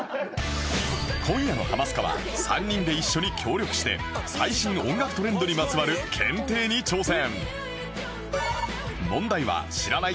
今夜の『ハマスカ』は３人で一緒に協力して最新音楽トレンドにまつわる検定に挑戦